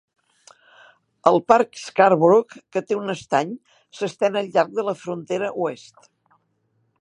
El parc Scarborough, que té un estany, s'estén al llarg de la frontera oest.